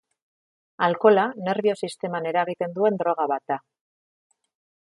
Alkohola, nerbio-sisteman eragiten duen droga bat da.